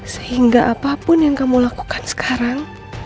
sehingga apapun yang kamu lakukan sekarang